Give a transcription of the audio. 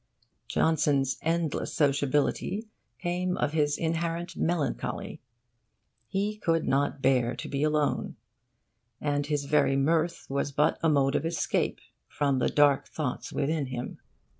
Johnson's endless sociability came of his inherent melancholy: he could not bear to be alone; and his very mirth was but a mode of escape from the dark thoughts within him.